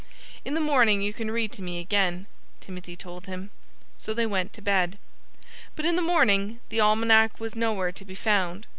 "In the morning you can read to me again," Timothy told him. So they went to bed. But in the morning the Almanac was nowhere to be found.